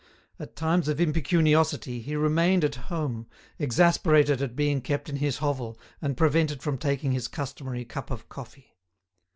At times of impecuniosity he remained at home, exasperated at being kept in his hovel and prevented from taking his customary cup of coffee.